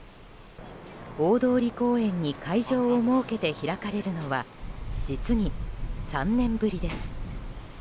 大通公園に会場を設けて開かれるのは実に３年ぶりです。